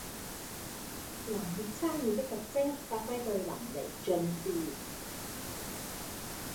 能力差異的特徵發揮到淋漓盡致